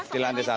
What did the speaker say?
di lantai berapa